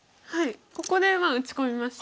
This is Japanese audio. ここで打ち込みまして。